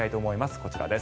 こちらです。